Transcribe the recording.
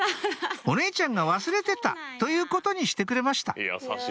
お姉ちゃんが忘れてたということにしてくれました優しい。